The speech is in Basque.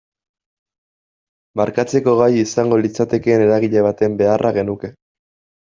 Markatzeko gai izango litzatekeen eragile baten beharra genuke.